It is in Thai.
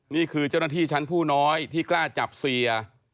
นี่คือเจ้าหน้าที่ชั้นผู้น้อยที่กล้าจับเสีย